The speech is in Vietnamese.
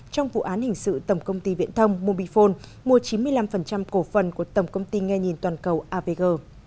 trong vụ án hình sự tổng công ty viễn thông mobifone mua chín mươi năm cổ phần của tổng công ty nghe nhìn toàn cầu avg